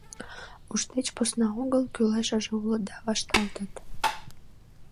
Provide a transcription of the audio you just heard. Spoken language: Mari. Уш деч посна огыл, кӱлешыже уло да вашталтат...